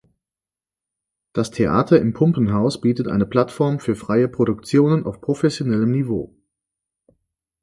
Das Theater im Pumpenhaus bietet eine Plattform für freie Produktionen auf professionellem Niveau.